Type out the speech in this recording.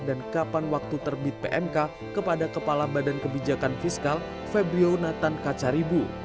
dan kapan waktu terbit pmk kepada kepala badan kebijakan fiskal febrio natan kacaribu